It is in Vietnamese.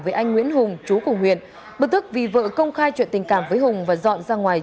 với anh nguyễn hùng chú của huyện bực tức vì vợ công khai chuyện tình cảm với hùng và dọn ra ngoài